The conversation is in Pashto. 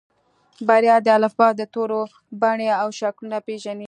بريا د الفبا د تورو بڼې او شکلونه پېژني.